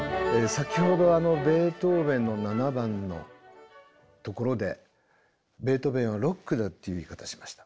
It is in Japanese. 先ほどベートーヴェンの７番のところで「ベートーヴェンはロックだ！」という言い方をしました。